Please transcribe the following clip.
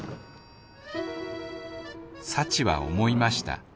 幸は思いました。